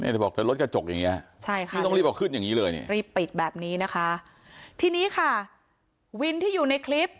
ต้องรีบเอาขึ้นอย่างนี้เลยนี่รีบปิดแบบนี้นะคะทีนี้ค่ะวินที่อยู่ในคลิป